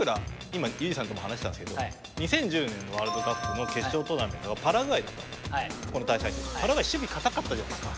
今佑二さんとも話してたんですけど２０１０年のワールドカップの決勝トーナメントがパラグアイだったんです。